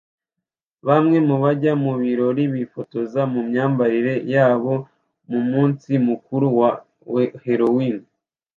Bamwe mu bajya mu birori bifotoza mu myambarire yabo mu munsi mukuru wa Halloween